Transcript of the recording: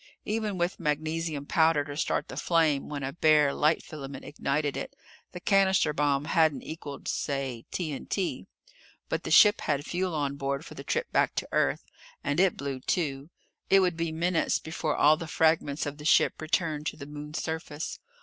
Even with magnesium powder to start the flame when a bare light filament ignited it, the cannister bomb hadn't equaled say T.N.T. But the ship had fuel on board for the trip back to Earth. And it blew, too. It would be minutes before all the fragments of the ship returned to the Moon's surface.